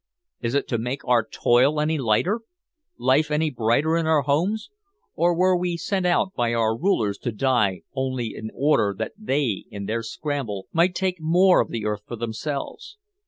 Is it to make our toil any lighter, life any brighter in our homes or were we sent out by our rulers to die only in order that they in their scramble might take more of the earth for themselves?